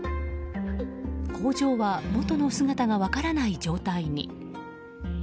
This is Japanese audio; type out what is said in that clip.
工場は、もとの姿が分からない状態に。